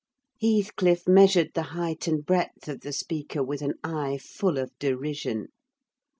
Heathcliff measured the height and breadth of the speaker with an eye full of derision.